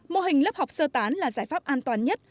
mô hình lớp học sơ tán là giải pháp an toàn nhất